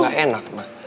karena enak ma